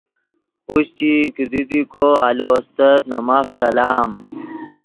خوشچئی کیدی دی کو آلو استت نے ماف سلام۔